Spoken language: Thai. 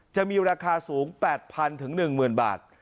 จะมีราคาสูง๘๐๐๑๐๐บาท